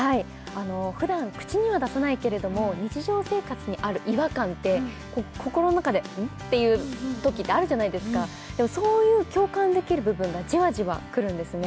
ふだん口には出さないけれども、日常生活にある違和感って、心の中で「ん？」というときってあるじゃないですかでも、そういう共感できる部分がジワジワくるんですね。